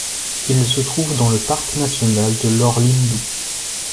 Il se trouve dans le parc national de Lore Lindu.